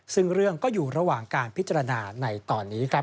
ซึ่งเรื่องก็อยู่ระหว่างการพิจารณาในตอนนี้ครับ